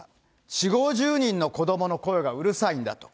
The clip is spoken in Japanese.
４、５０人の子どもの声がうるさいんだと。